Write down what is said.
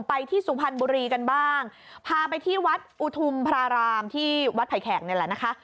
ไปที่สุพรรณบุรีกันบ้างพาไปที่วัดอุทุมพระรามที่วัดไผ่แขกนี่แหละนะคะ